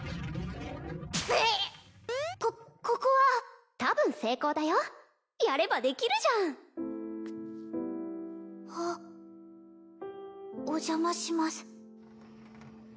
ぐえっこここは多分成功だよやればできるじゃんあお邪魔します